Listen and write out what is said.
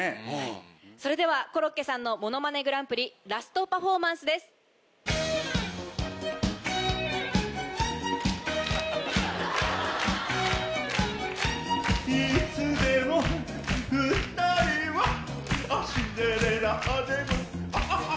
それではコロッケさんの『ものまねグランプリ』ラストパフォーマンスです。アハハ。